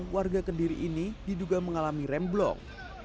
warga kediri ini diduga mengalami remblong